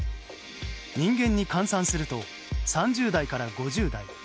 人間に換算すると３０代から５０代。